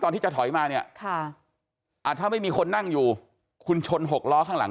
ที่จะถอยมาเนี่ยถ้าไม่มีคนนั่งอยู่คุณชน๖ล้อข้างหลัง